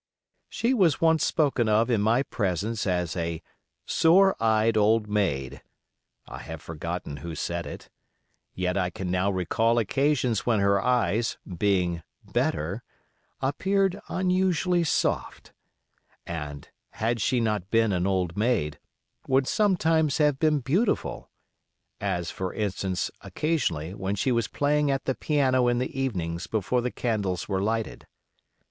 She was once spoken of in my presence as "a sore eyed old maid"—I have forgotten who said it. Yet I can now recall occasions when her eyes, being "better", appeared unusually soft, and, had she not been an old maid, would sometimes have been beautiful—as, for instance, occasionally, when she was playing at the piano in the evenings before the candles were lighted.